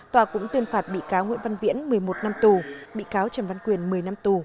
tòa cũng tuyên phạt bị cáo nguyễn văn viễn một mươi một năm tù bị cáo trần văn quyền một mươi năm tù